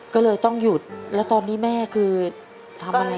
ก็เลยต้องหยุดแล้วตอนนี้แม่คือทำอะไร